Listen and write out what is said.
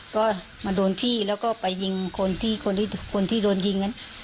ก็มาโดนพี่แล้วก็ไปยิงคนที่โดนยิง